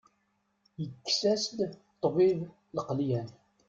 Yekkes-as-d ṭṭbib lqelyan.